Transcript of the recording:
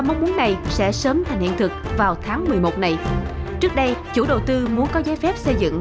mong muốn này sẽ sớm thành hiện thực vào tháng một mươi một này trước đây chủ đầu tư muốn có giấy phép xây dựng